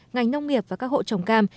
ngành nông nghiệp và các hộ trồng cam